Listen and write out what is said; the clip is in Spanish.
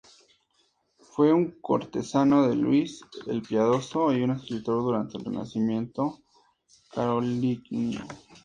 Fue un cortesano de Luis el Piadoso y un escritor durante el renacimiento carolingio.